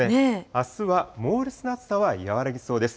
あすは猛烈な暑さは和らぎそうです。